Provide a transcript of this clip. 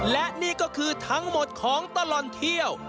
และนี่ก็คือทั้งหมดของตลอดเที่ยว